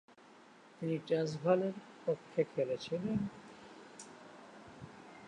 তিনি ট্রান্সভালের পক্ষে খেলেছিলেন।